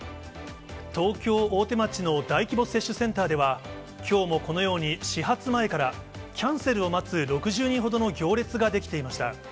東京・大手町の大規模接種センターでは、きょうもこのように始発前から、キャンセルを待つ６０人ほどの行列が出来ていました。